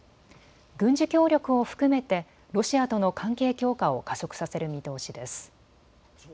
軍事協力を含めてロシアとの関係強化を加速させる見通しです。